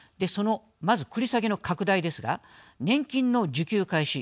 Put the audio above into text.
まず繰り下げの拡大ですが年金の受給開始